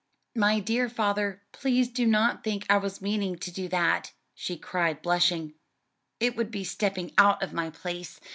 "My dear father, please do not think I was meaning to do that," she cried, blushing, "it would be stepping out of my place.